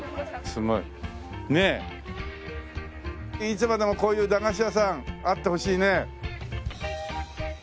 いつまでもこういう駄菓子屋さんあってほしいね。